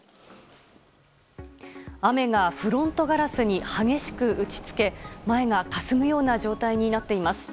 雨がフロントガラスに激しく打ち付け前がかすむような状態になっています。